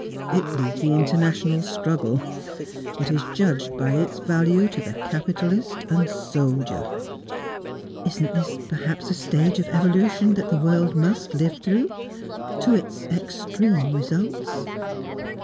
It leads the international struggle; it is judged by its value to the capitalist and the soldier." "Isn't this perhaps a stage of evolution that the world must live through to its extreme results?"